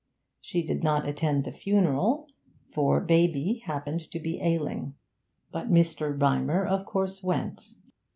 She did not attend the funeral, for baby happened to be ailing, but Mr. Rymer, of course, went.